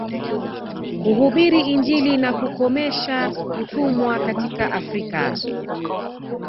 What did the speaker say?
Kuhubiri injili na kukomesha utumwa katika Afrika